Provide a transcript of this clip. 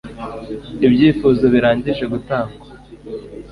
ibyifuzo birangije gutangwa